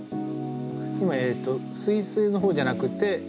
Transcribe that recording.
今えっと「水星」の方じゃなくて。